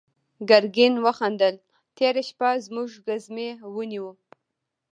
ګرګين وخندل: تېره شپه زموږ ګزمې ونيو.